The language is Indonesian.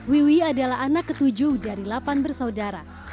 wiwi adalah anak ketujuh dari delapan bersaudara